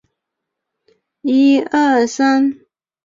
张轨的父亲张崇官至高平令。